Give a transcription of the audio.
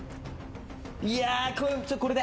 いやこれで。